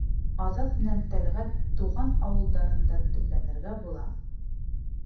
Азат менән Тәлғәт тыуған ауылдарында төпләнергә була.